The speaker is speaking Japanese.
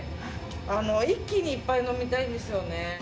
一気にいっぱい飲みたいんですよね。